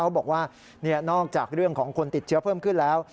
บอกว่านอกจากเรื่องของคนติดเชื้อเพิ่มขึ้นแล้ว